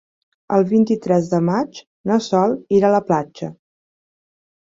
El vint-i-tres de maig na Sol irà a la platja.